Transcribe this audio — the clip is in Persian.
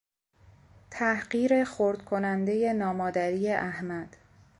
تحقیر خرد کنندهی نامادری احمد